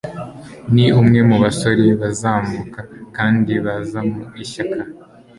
ni umwe mu basore bazamuka kandi baza mu ishyaka